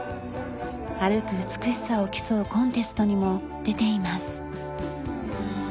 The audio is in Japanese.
歩く美しさを競うコンテストにも出ています。